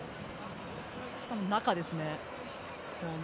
しかも中ですね。